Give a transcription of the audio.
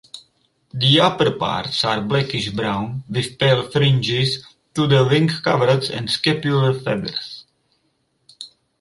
The upperparts are blackish-brown with pale fringes to the wing-coverts and scapular feathers.